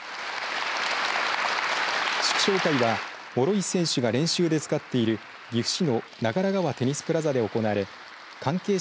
祝勝会は諸石選手が練習で使っている岐阜市の長良川テニスプラザで行われ関係者